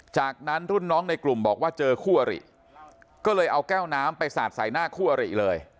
จากนั้นรุ่นน้องในกลุ่มบอกว่าเจอคู่อริก็เลยเอาแก้วน้ำไปสาดใส่หน้าคู่อริเลย